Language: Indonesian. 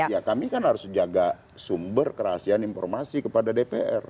ya kami kan harus jaga sumber kerahasiaan informasi kepada dpr